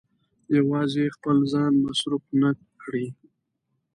يوازې يې په خپل ځان مصرف نه کړي.